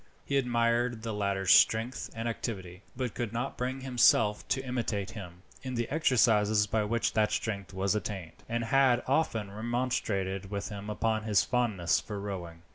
He admired the latter's strength and activity, but could not bring himself to imitate him, in the exercises by which that strength was attained, and had often remonstrated with him upon his fondness for rowing.